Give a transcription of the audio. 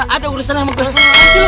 ada urusan sama gue